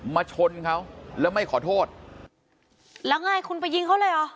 มาชนเขาแล้วไม่ขอโทษแล้วไงคุณไปยิงเขาเลยเหรอ